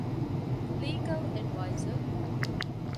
ލީގަލް އެޑްވައިޒަރ